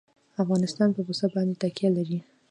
افغانستان په پسه باندې تکیه لري.